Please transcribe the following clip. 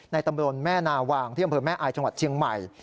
ในตำรวจแม่นาวางที่บริเวณแม่อายจังหวัดเชียงใหม่